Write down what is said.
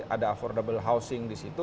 ada affordable housing di situ